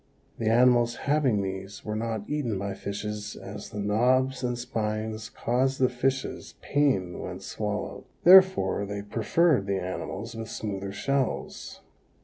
The animals having these were not eaten by fishes as the knobs and spines caused the fishes pain when swallowed, therefore they preferred the animals with smoother shells.